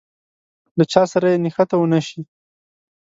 له چا سره يې نښته ونه شي.